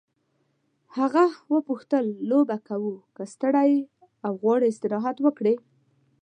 هغه وپوښتل لوبه کوو که ستړی یې او غواړې استراحت وکړې.